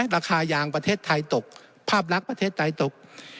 ราคายางประเทศไทยตกภาพลักษณ์ประเทศไทยตก